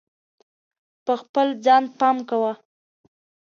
په خپل ځان پام کوه.